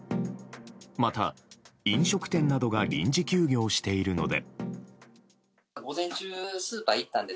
また、飲食店などが臨時休業しているので。